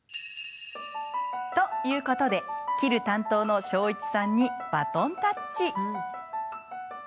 ということで、切る担当の彰一さんにバトンタッチ。